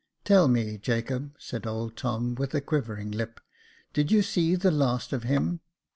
" Tell me, Jacob," said old Tom, with a quivering lip, " did you see the last of him